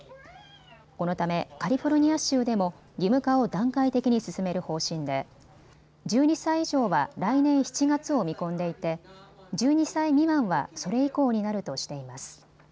このためカリフォルニア州でも義務化を段階的に進める方針で１２歳以上は来年７月を見込んでいて１２歳未満はそれ以降になるとしています。